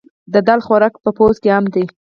د دال خوراک په پوځ کې عام دی.